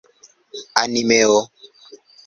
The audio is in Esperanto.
animeo